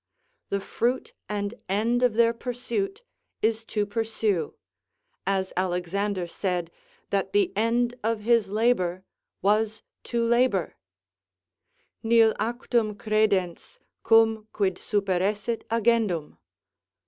The fruit and end of their pursuit is to pursue; as Alexander said, that the end of his labour was to labour: "Nil actum credens, cum quid superesset agendum."